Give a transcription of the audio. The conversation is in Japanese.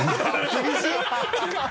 厳しい！